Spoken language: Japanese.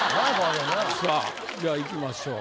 さぁじゃあいきましょう。